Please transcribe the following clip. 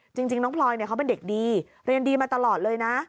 จริงน้องพลอยเขาเป็นเด็กดีเรียนดีมาตลอดเลยนะ